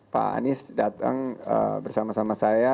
pak anies datang bersama sama saya